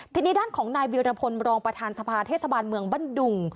ทีนี้ด้านของนายวิรพลรองประธานสภาเทศบาลเมืองบั้นดุง